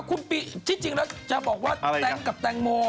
คุณปีที่จริงแล้วจะบอกว่าแตงกับแตงโม